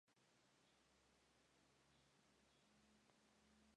Este mismo año Borís Pasternak fue galardonado con el Premio Nobel de Literatura.